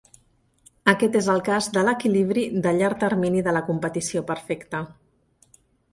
Aquest és el cas de l"equilibri de llarg termini de la competició perfecta.